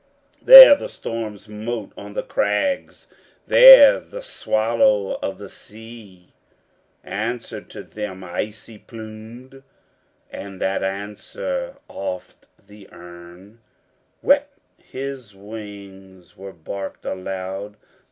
There the storms smote on the crags, there the swallow of the sea Answered to them, icy plumed; and that answer oft the earn Wet his wings were barked aloud.